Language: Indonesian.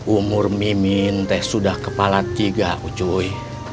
umur mimin teh sudah kepala tiga aku cuy